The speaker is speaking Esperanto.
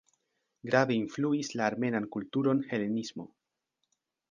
Grave influis la armenan kulturon helenismo.